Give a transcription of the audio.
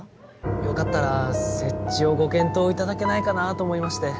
よかったら設置をご検討いただけないかなと思いまして。